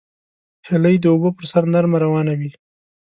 هیلۍ د اوبو پر سر نرمه روانه وي